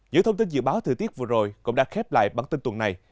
những thông tin dự báo thời tiết vừa rồi cũng đã khép lại bản tin tuần này